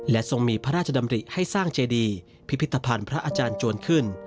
ทรงมีพระราชดำริให้สร้างเจดีพิพิธภัณฑ์พระอาจารย์จวนขึ้น